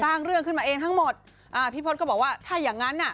เรื่องขึ้นมาเองทั้งหมดอ่าพี่พศก็บอกว่าถ้าอย่างงั้นอ่ะ